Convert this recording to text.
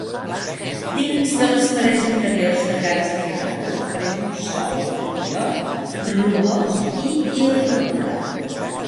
Dins de les parets interiors de cares afilades apareix un sòl interior rugós i irregular.